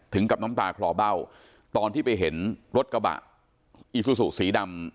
กับน้ำตาคลอเบ้าตอนที่ไปเห็นรถกระบะอีซูซูสีดำ